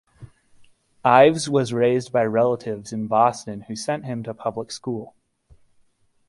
Ives was raised by relatives in Boston who sent him to public school.